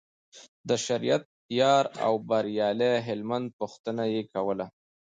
د شریعت یار او بریالي هلمند پوښتنه یې کوله.